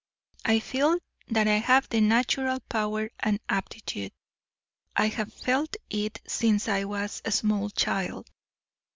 I feel that I have the natural power and aptitude. I have felt it since I was a small child."